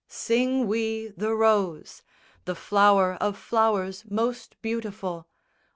Sing we the Rose, The flower of flowers most beautiful!